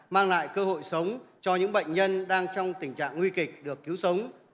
mang lại cơ hội sống cho những bệnh nhân đang trong tình trạng nguy kịch được cứu sống